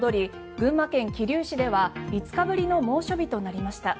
群馬県桐生市では５日ぶりの猛暑日となりました。